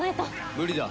無理だ。